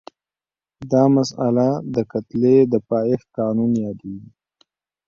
دا مسئله د کتلې د پایښت قانون یادیږي.